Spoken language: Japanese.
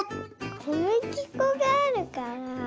こむぎこがあるから。